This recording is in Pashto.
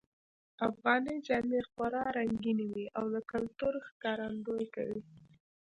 افغانۍ جامې خورا رنګینی وی او د کلتور ښکارندویې کوی